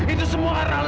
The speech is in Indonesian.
itu semua arah lo